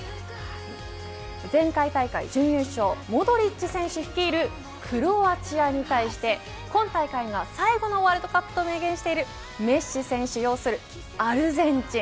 前回大会、準優勝モドリッチ選手率いるクロアチアに対して今大会が最後のワールドカップと明言しているメッシ選手擁するアルゼンチン。